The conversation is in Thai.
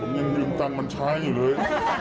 ผมยังลืมตำมันช้ายอยู่เลย